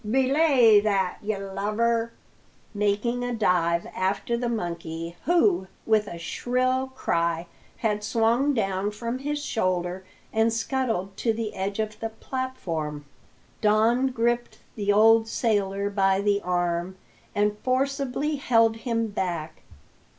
Belay that, ye lubber!" making a dive after the monkey, who, with a shrill cry, had swung down from his shoulder and scuttled to the edge of the platform. Don gripped the old sailor by the arm and forcibly held him back.